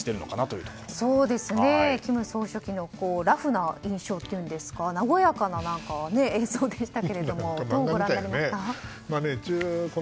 金総書記のラフな印象というか和やかな映像でしたけれどもどうご覧になりました？